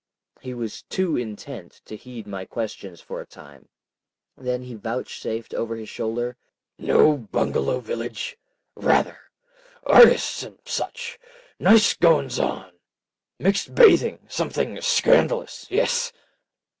He was too intent to heed my questions for a time. Then he vouchsafed over his shoulder— "Know Bungalow village?—rather. Artis' and such. Nice goings on! Mixed bathing—something scandalous. Yes."